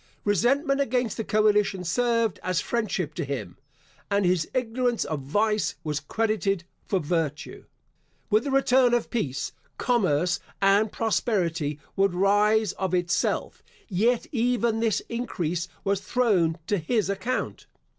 Resentment against the coalition served as friendship to him, and his ignorance of vice was credited for virtue. With the return of peace, commerce and prosperity would rise of itself; yet even this increase was thrown to his account.